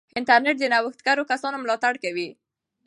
انټرنیټ د نوښتګرو کسانو ملاتړ کوي.